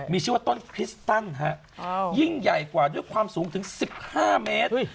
มีชื่อว่าต้นคริสตันฮะยิ่งใหญ่กว่าด้วยความสูงถึง๑๕เมตร